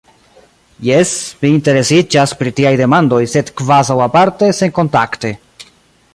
Jes, mi interesiĝas pri tiaj demandoj, sed kvazaŭ aparte, senkontakte.